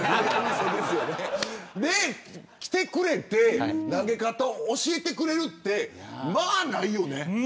来てくれて投げ方を教えてくれるってまあ、ないよね。